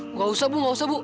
nggak usah bu gak usah bu